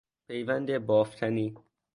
پیوند بافتنی